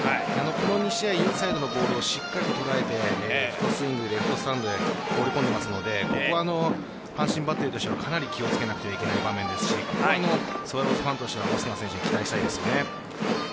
この２試合インサイドのボールをしっかりと捉えてフルスイングでスタンドへ放り込んでいますのでここは阪神バッテリーとしてはかなり気をつけなければいけない場面ですしスワローズファンとしてはオスナ選手に期待したいですよね。